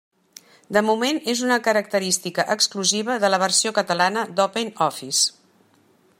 De moment, és una característica exclusiva de la versió catalana d'OpenOffice.